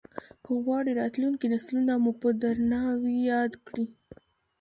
که غواړې راتلونکي نسلونه مو په درناوي ياد کړي.